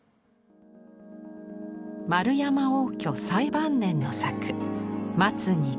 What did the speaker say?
円山応挙最晩年の作。